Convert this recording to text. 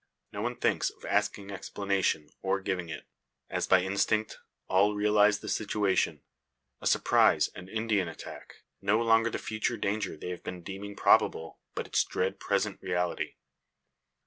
No one thinks of asking explanation, or giving it. As by instinct, all realise the situation a surprise, an Indian attack. No longer the future danger they have been deeming probable, but its dread present reality!